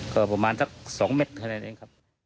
ก็ประมาณสัก๒เมตรขนาดนี้ครับ